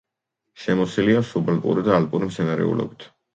შემოსილია სუბალპური და ალპური მცენარეულობით.